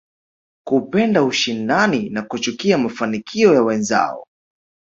Kupenda ushindani na kuchukia mafanikio ya wenzao